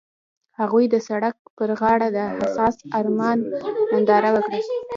هغوی د سړک پر غاړه د حساس آرمان ننداره وکړه.